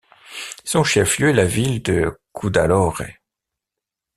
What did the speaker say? Son chef-lieu est la ville de Cuddalore.